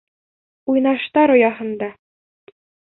Уйнаштар ояһында!